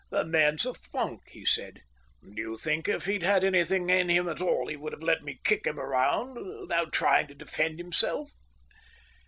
"The man's a funk," he said. "Do you think if he'd had anything in him at all he would have let me kick him without trying to defend himself?"